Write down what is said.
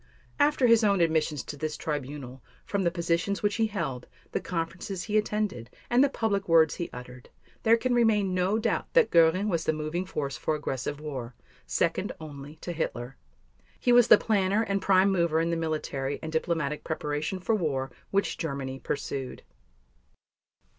After his own admissions to this Tribunal, from the positions which he held, the conferences he attended, and the public words he uttered, there can remain no doubt that Göring was the moving force for aggressive war, second only to Hitler. He was the planner and prime mover in the military and diplomatic preparation for war which Germany pursued.